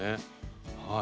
はい。